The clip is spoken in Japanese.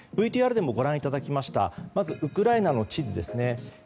ＶＴＲでもご覧いただきましたウクライナの地図です。